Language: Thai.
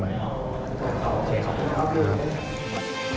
เพิ่มเติมนะครับเรื่องของพีรโรนก็คือ